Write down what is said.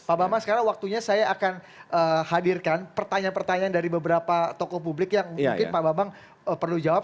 pak bambang sekarang waktunya saya akan hadirkan pertanyaan pertanyaan dari beberapa tokoh publik yang mungkin pak bambang perlu jawab